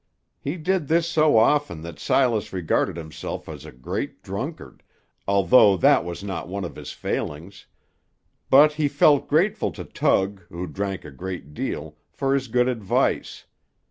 He did this so often that Silas regarded himself as a great drunkard, although that was not one of his failings; but he felt grateful to Tug, who drank a great deal, for his good advice.